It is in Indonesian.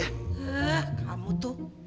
eh kamu tuh